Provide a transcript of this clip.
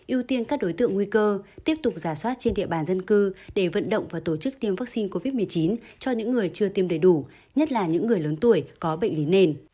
ưu tiên các đối tượng nguy cơ tiếp tục giả soát trên địa bàn dân cư để vận động và tổ chức tiêm vaccine covid một mươi chín cho những người chưa tiêm đầy đủ nhất là những người lớn tuổi có bệnh lý nền